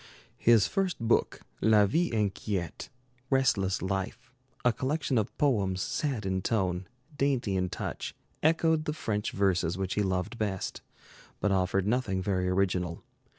His first book, 'La Vie Inquiète' 'Restless Life', a collection of poems sad in tone, dainty in touch, echoed the French verses which he loved best, but offered nothing very original.